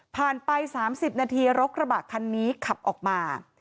ไป๓๐นาทีรถกระบะคันนี้ขับออกมา